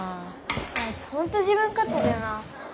あいつほんと自分かってだよな。